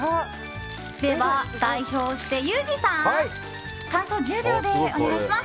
では、代表してユージさん感想を１０秒でお願いします。